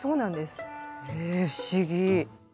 ええ不思議。